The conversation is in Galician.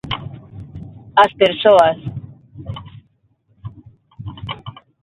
As persoas.